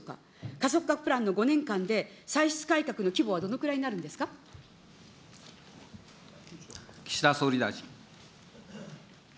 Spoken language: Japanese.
加速化プランの５年間で歳出改革の規模はどのくらいになるんです岸田総理大臣。